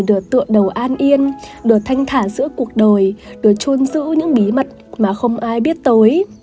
nửa tượng đầu an yên được thanh thả giữa cuộc đời được trôn giữ những bí mật mà không ai biết tới